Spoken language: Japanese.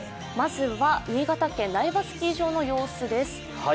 まずは、新潟県苗場スキー場の様子です。